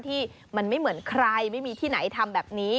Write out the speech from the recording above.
ที่มันไม่เหมือนใครไม่มีที่ไหนทำแบบนี้